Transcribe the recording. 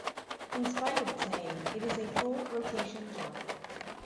In spite of its name, it is a full rotation jump.